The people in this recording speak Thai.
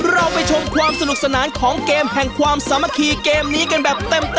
เราไปชมความสนุกสนานของเกมแห่งความสามัคคีเกมนี้กันแบบเต็ม